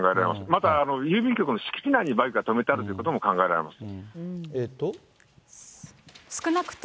また郵便局の敷地内にバイクが止めてあるということも考えられます。